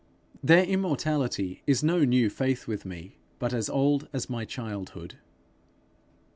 Their immortality is no new faith with me, but as old as my childhood.